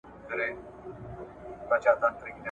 له باغلیو څخه ډک سول گودامونه ..